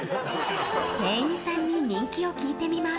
店員さんに人気を聞いてみます。